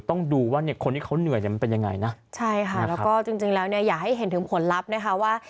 ต้องดูว่าเนี่ยคนที่เขาเหนื่อยเนี่ยมันเป็นยังไงนะใช่ค่ะแล้วก็จริงจริงแล้วเนี่ยอยากให้เห็นถึงผลลัพธ์นะคะว่า